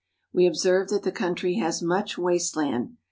We observe that the country has much waste land.